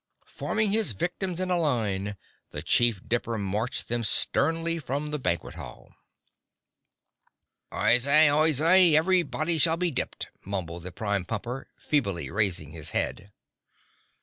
Forming his victims in a line the Chief Dipper marched them sternly from the banquet hall. "Oyez! Oyez Everybody shall be dipped!" mumbled the Prime Pumper, feebly raising his head.